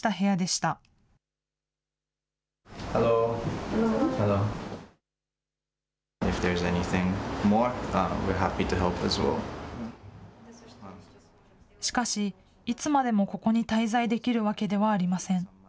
しかし、いつまでもここに滞在できるわけではありません。